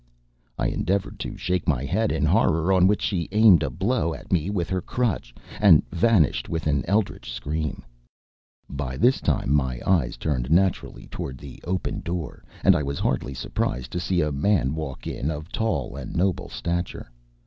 I endeavoured to shake my head in horror; on which she aimed a blow at me with her crutch, and vanished with an eldritch scream. By this time my eyes turned naturally toward the open door, and I was hardly surprised to see a man walk in of tall and noble stature.